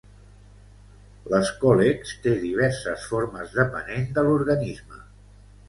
L'escòlex té diverses formes depenent de l'organisme.